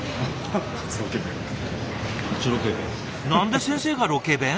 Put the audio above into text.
何で先生がロケ弁？